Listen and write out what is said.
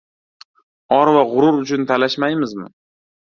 Or va g‘urur uchun talashmaymizmi?